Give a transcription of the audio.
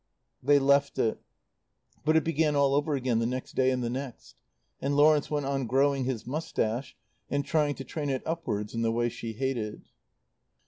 They left it. But it began all over again the next day and the next. And Lawrence went on growing his moustache and trying to train it upwards in the way she hated.